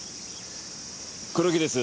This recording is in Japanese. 黒木です。